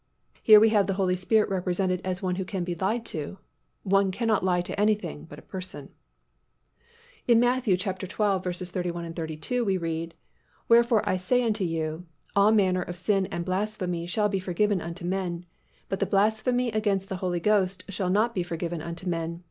Here we have the Holy Spirit represented as one who can be lied to. One cannot lie to anything but a person. In Matt. xii. 31, 32, we read, "Wherefore I say unto you, All manner of sin and blasphemy shall be forgiven unto men: but the blasphemy against the Holy Ghost shall not be forgiven unto men.